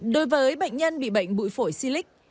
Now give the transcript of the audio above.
đối với bệnh nhân bị bệnh bụi phổi sinh lịch